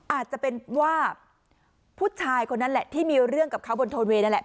อาจจะเป็นว่าผู้ชายคนนั้นแหละที่มีเรื่องกับเขาบนโทนเวย์นั่นแหละ